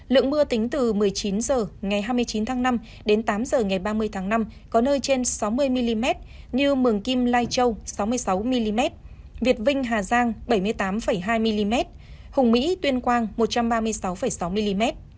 lượng mưa tính từ một mươi chín h ngày hai mươi chín tháng năm đến tám h ngày ba mươi tháng năm có nơi trên sáu mươi mm như mường kim lai châu sáu mươi sáu mm việt vinh hà giang bảy mươi tám hai mm hùng mỹ tuyên quang một trăm ba mươi sáu sáu mm